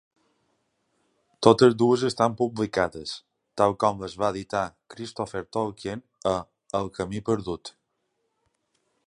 Totes dues estan publicades, tal com les va editar Christopher Tolkien, a "El camí perdut".